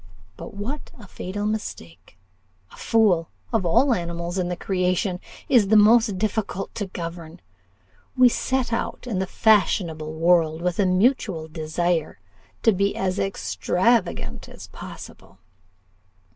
But what a fatal mistake! a fool, of all animals in the creation, is the most difficult to govern. We set out in the fashionable world with a mutual desire to be as extravagant as possible.